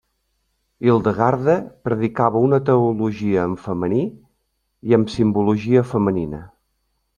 Hildegarda predicava una teologia en femení i amb simbologia femenina.